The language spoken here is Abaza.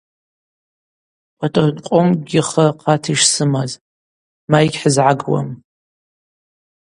Пӏатӏрон къомкӏгьи хы рхъата йшсымаз – ма, йгьхӏызгӏагуам.